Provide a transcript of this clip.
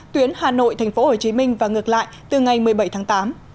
tuyến hà nội tp hcm và ngược lại từ ngày một mươi bảy tháng tám